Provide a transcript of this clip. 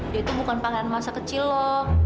dia tuh bukan pangeran masa kecil lho